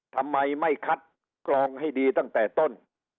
ทำไมไม่คัดกรองให้ดีตั้งแต่ต้น